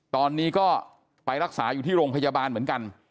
ตอนนี้ก็ไปรักษาอยู่ที่โรงพยาบาลเหมือนกัน